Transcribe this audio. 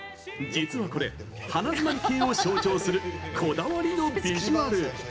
実はこれ鼻詰まり系を象徴するこだわりのビジュアル。